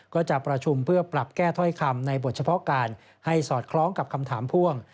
ก็จะประชุมเพื่อปรับแก้ถ้อยคำในบทเฉพาะการให้สอดคล้องกับคำถามพ่วง